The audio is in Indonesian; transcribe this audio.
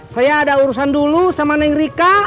saya ada urusan dulu sama neng rika